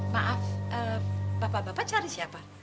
maaf bapak bapak cari siapa